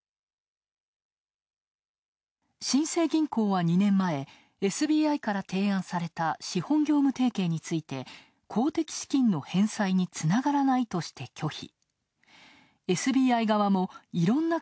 新生銀行は２年前、ＳＢＩから提案された資本業務提携について公的資金の返済につながらないとして拒否。